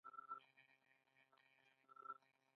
د بیان ازادي مهمه ده ځکه چې خیانت ښکاره کوي.